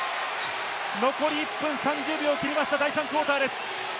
残り１分３０秒を切りました、第３クオーターです。